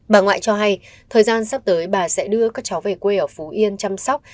bà ngoại cho hay thời gian sắp tới bà sẽ đưa các cháu về quê ở phú yên chăm sóc